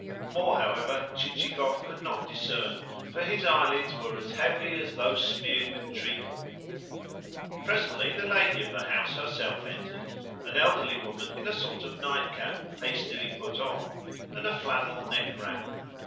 More, however, Chichikov could not discern, for his eyelids were as heavy as though smeared with treacle. Presently the lady of the house herself entered an elderly woman in a sort of nightcap (hastily put on) and a flannel neck wrap.